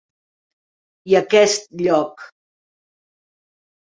I aquest lloc.